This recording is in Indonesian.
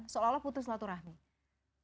seolah olah putus silaturahim